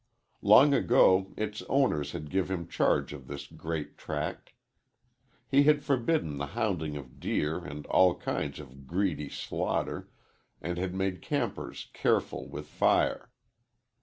Long ago its owners had given him charge of this great tract. He had forbidden the hounding of deer and all kinds of greedy slaughter, and had made campers careful with fire.